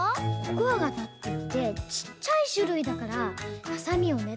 「コクワガタ」っていってちっちゃいしゅるいだからはさみをね